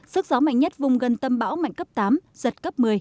sức gió mạnh nhất vùng gần tâm bão mạnh cấp tám giật cấp một mươi